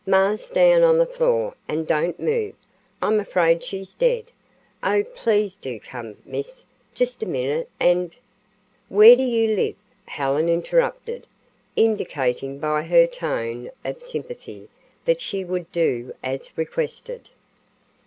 Ma's down on the floor an' don't move I'm afraid she's dead. Oh, please do come, Miss, just a minute, and " "Where do you live?" Helen interrupted, indicating by her tone of sympathy that she would do as requested.